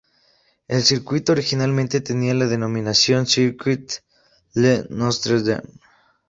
El circuito originalmente tenía la denominación Circuit Île Notre-Dame.